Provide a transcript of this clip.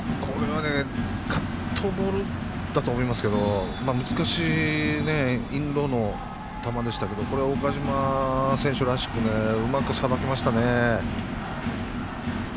カットボールだと思いますけど難しいインローの球でしたけどこれは岡島選手らしくうまくさばきましたね。